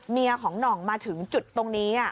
เมียของหน่องมาถึงจุดตรงนี้